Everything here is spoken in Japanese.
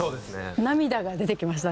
涙が出てきました。